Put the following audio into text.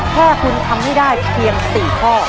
แค่คุณทำให้ได้เพียง๔ข้อ